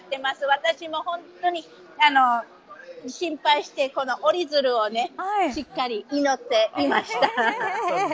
私も本当に心配して折り鶴をしっかり祈っていました。